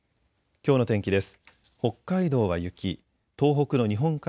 きょうの天気です。